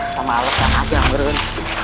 kamu malu kan aja berun